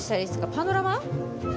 パノラマ？